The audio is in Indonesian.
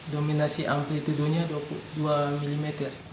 dominasi amplitudennya dua puluh dua mm